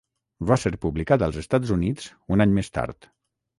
Va ser publicat als Estats Units un any més tard.